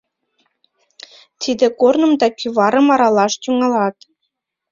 — Тиде корным да кӱварым аралаш тӱҥалат!